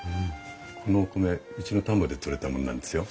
このお米うちの田んぼで採れたものなんですよ。